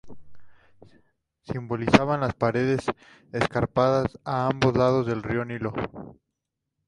Simbolizaban las paredes escarpadas a ambos lados del río Nilo.